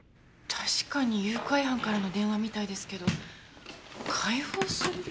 確かに誘拐犯からの電話みたいですけど「解放する」って。